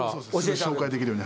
紹介できるように。